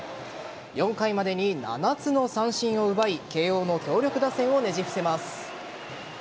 ４回までに７つの三振を奪い慶応の強力打線をねじ伏せます。